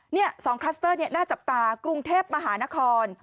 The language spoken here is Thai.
นี่๒คลัสเตอร์นี้น่าจับตากรุงเทพมหานคร